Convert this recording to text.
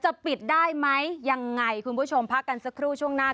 จะปิดได้ไหมยังไงคุณผู้ชมพักกันสักครู่ช่วงหน้า